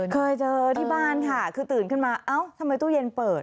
เคยเจอที่บ้านค่ะคือตื่นขึ้นมาเอ้าทำไมตู้เย็นเปิด